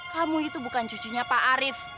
kamu itu bukan cucunya pak arief